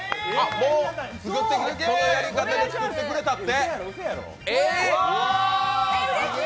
このやり方で作ってくれたって。